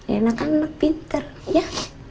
rena kan enak pinter ya